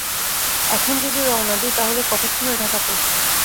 এখন যদি রওনা দিই তা হলে কতক্ষণে ঢাকা পৌঁছব?